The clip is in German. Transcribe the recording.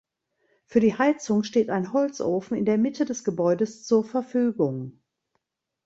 Für die Heizung steht ein Holzofen in der Mitte des Gebäudes zur Verfügung.